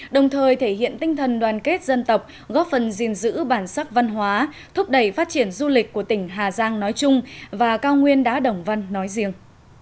đồng thời thể hiện tinh thần đoàn kết dân tộc góp phần gìn giữ bản sắc văn hóa thúc đẩy phát triển du lịch của tỉnh hà giang nói chung và cao nguyên đá đồng văn nói riêng